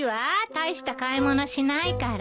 大した買い物しないから。